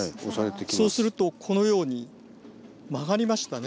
そうするとこのように曲がりましたね。